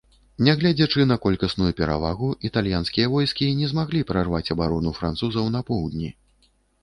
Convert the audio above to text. Нягледзячы на колькасную перавагу, італьянскія войскі не змаглі прарваць абарону французаў на поўдні.